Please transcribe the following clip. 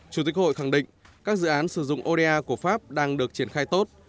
chủ tịch hội khẳng định các dự án sử dụng oda của pháp đang được triển khai tốt